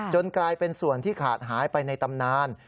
กลายเป็นส่วนที่ขาดหายไปในตำนาน